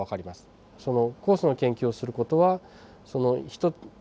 その酵素の研究をする事はそのヒト。